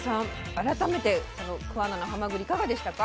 改めてこの桑名のはまぐりいかがでしたか？